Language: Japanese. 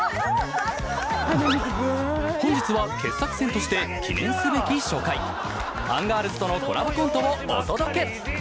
本日は傑作選として記念すべき初回アンガールズとのコラボコントをお届け！